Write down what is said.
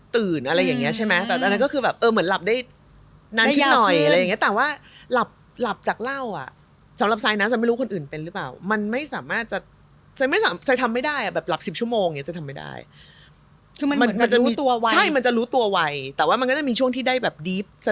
ตื่นอะไรอย่างนี้ใช่ไหมอันดันก็คือแบบเออเหมือนหลับได้นันคิดหน่อยอะไรอย่างเงี้ยแต่ว่า